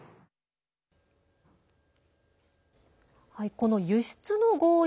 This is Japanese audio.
この輸出の合意。